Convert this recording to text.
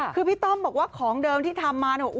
คือพี่ต้อมบอกว่าของเดิมที่ทำมาเนี่ย